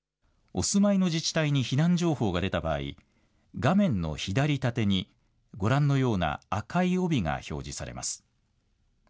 お住まいの自治体に避難情報が出た場合、画面の左縦にご覧のような赤い帯が表示されます。